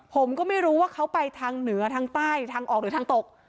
ผมก็ไม่รู้ว่าเขาไปทางเหนือทางใต้ทางออกหรือทางตก